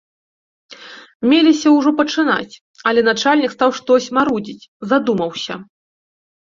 Меліся ўжо пачынаць, але начальнік стаў штось марудзіць, задумаўся.